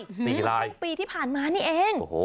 ช่วงปีที่ผ่านมานี่เอง